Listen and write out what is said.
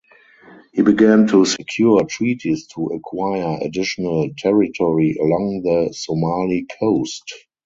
He began to secure treaties to acquire additional territory along the Somali Coast.